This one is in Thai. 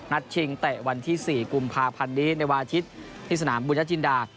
ชิงเตะวันที่๔กุมภาพันธ์นี้ในวันอาทิตย์ที่สนามบุญญจินดา